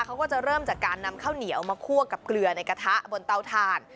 เขาก็จะเริ่มจากการนำข้าวเหนียวมาคั่วกับเกลือในกระทะบนเตาถ่าน